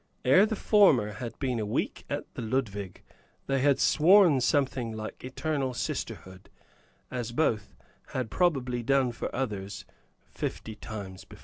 Ere the former had been a week at the Ludwig, they had sworn something like eternal sisterhood as both had probably done for others fifty times before.